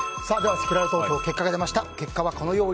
せきらら投票結果が出ました。